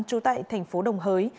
chú tại thành phố đồng hới